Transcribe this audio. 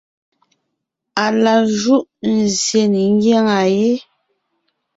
Á la júʼ nzsyè ne ńgyáŋa yé,